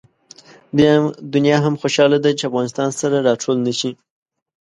دنیا هم خوشحاله ده چې افغانستان سره راټول نه شي.